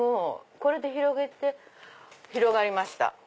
これで広げて広がりました。